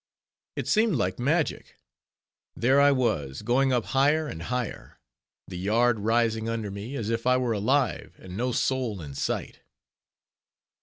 It seemed like magic; there I was, going up higher and higher; the yard rising under me, as if it were alive, and no soul in sight.